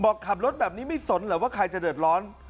ขับรถแบบนี้ไม่สนเหรอว่าใครจะเดือดร้อน